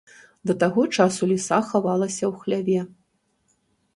Да таго часу ліса хавалася ў хляве.